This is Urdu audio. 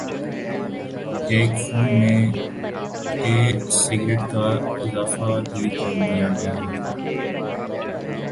ایک فون میں "ای سگریٹ" کا اضافہ بھی کر دیا گیا ہے